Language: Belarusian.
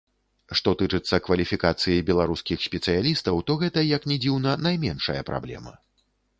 Што тычыцца кваліфікацыі беларускіх спецыялістаў, то гэта, як ні дзіўна, найменшая праблема.